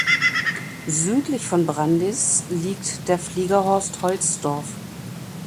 Südlich von Brandis liegt der Fliegerhorst Holzdorf.